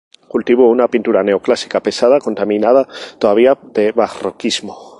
Cultivó una pintura neoclásica pesada, contaminada todavía de barroquismo.